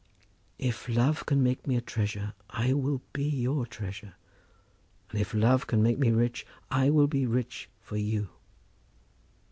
"If love can make me a treasure, I will be your treasure. And if love can make me rich, I will be rich for you."